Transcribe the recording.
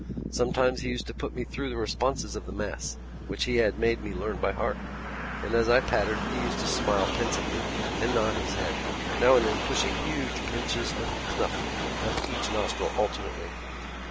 Sometimes he used to put me through the responses of the Mass which he had made me learn by heart; and, as I pattered, he used to smile pensively and nod his head, now and then pushing huge pinches of snuff up each nostril alternately.